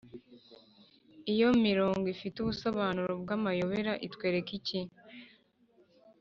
iyo mirongo ifite ibisobanuro by’amayobera itwereka iki?